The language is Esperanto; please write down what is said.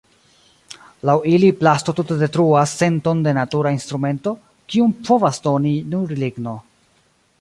Laŭ ili plasto tute detruas senton de natura instrumento, kiun povas doni nur ligno.